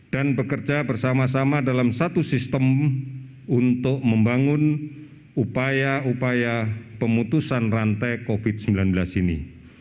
dan bekerja bersama sama dalam satu sistem untuk membangun upaya upaya pemutusan rantai covid sembilan belas ini